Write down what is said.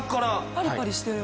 パリパリしてる。